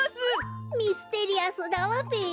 ミステリアスだわべ。